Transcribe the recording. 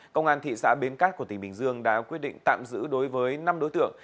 công an thị xã bến cát của tỉnh bình dương đã quyết định tạm giữ đối với năm đối tượng